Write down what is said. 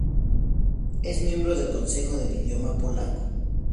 Es miembro del Consejo del Idioma Polaco.